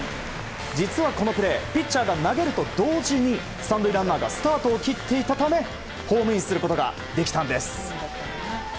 実はこのプレーピッチャーが投げると同時に３塁ランナーがスタートを切っていたためホームインすることができたんです。